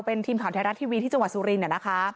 เป็นทีมข่าวไทยรัฐทีวีที่จังหวัดสุรินทร์นะคะ